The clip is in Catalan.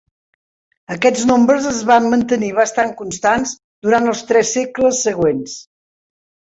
Aquests nombres es van mantenir bastant constants durant els tres segles següents.